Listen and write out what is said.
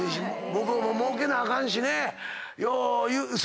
向こうももうけなあかんしね。